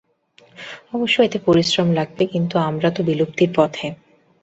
অবশ্য, এতে পরিশ্রম লাগবে, কিন্তু আমরা তো বিলুপ্তির পথে আছি।